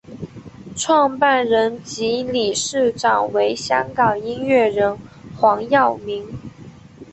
创办人及理事长为香港音乐人黄耀明。